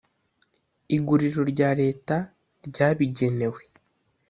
Iguriro rya leta ryabigenewe